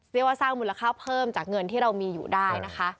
เรียกว่าสร้างมูลค่าเพิ่มจากเงินที่เรามีอยู่ได้นะคะ